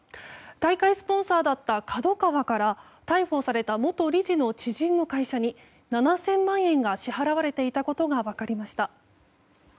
大会スポンサーだったＫＡＤＯＫＡＷＡから逮捕された元理事の知人の会社に７０００万円が支払われていたことが分かりました。